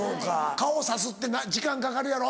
顔さすって時間かかるやろ？